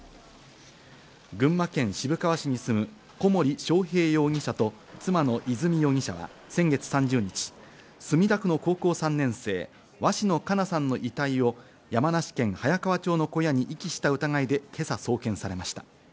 群馬県渋川市に住む小森章平容疑者と、妻の和美容疑者は先月３０日、墨田区の高校３年生、鷲野花夏さんの遺体を山梨県早川町の小屋に遺棄した疑いで今朝送検されました。